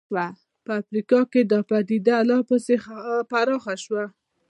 په افریقا کې دا پدیده لا پسې پراخه شوه.